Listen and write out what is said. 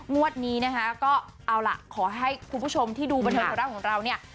งวดนี้นะคะก็เอาล่ะขอให้คุณผู้ชมที่ดูบันเทิงไทยรัฐของเราเนี่ย